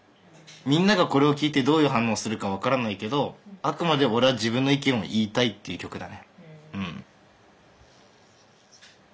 みんながこれを聴いてどういう反応をするか分からないけどあくまで俺は自分の意見を言いたいっていう曲だね。